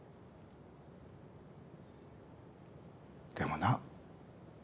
でもな。